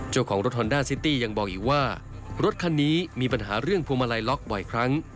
เจ้าของรถฮอนด้าซิตี้ยังบอกอีกว่ารถคันนี้มีปัญหาเรื่องพวงมาลัยล็อกบ่อยครั้ง